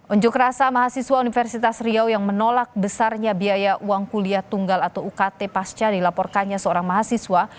unjuk rasa mahasiswa universitas riau yang menolak besarnya biaya uang kuliah tunggal atau ukt pasca dilaporkannya seorang mahasiswa